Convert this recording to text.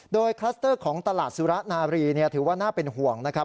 โดยคลัสเตอร์ของตลาดสุระนาบรีถือว่าน่าเป็นห่วงนะครับ